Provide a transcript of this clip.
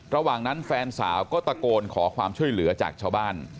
ระหว่างนั้นแฟนสาวก็ตะโกนขอความช่วยเหลือจากชาวบ้าน